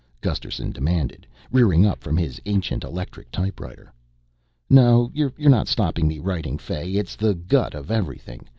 Gusterson demanded, rearing up from his ancient electric typewriter. "No, you're not stopping me writing, Fay it's the gut of evening.